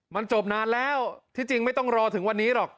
มันจบนานแล้วที่จริงไม่ต้องรอถึงวันนี้หรอก